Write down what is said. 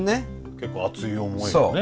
結構熱い思いをね。